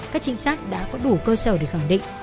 các trinh sát đã có đủ cơ sở để khẳng định